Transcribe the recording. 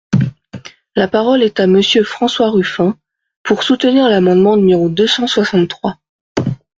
La parole est à Monsieur François Ruffin, pour soutenir l’amendement numéro deux cent soixante-trois.